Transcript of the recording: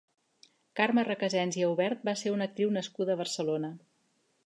Carme Recasens i Aubert va ser una actriu nascuda a Barcelona.